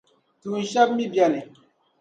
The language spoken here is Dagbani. Tuun’ shεba mi beni.